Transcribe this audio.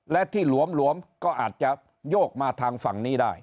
และที่หลวมก็อาจจะโยกมาทางฝั่งนี้ได้